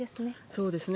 そうですね。